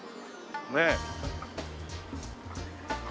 ねえ。